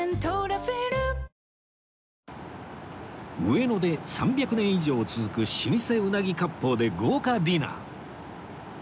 上野で３００年以上続く老舗うなぎ割烹で豪華ディナー